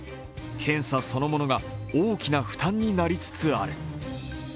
検査そのものが大きな負担になりつつある。